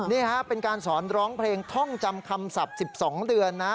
นี่ฮะเป็นการสอนร้องเพลงท่องจำคำศัพท์๑๒เดือนนะ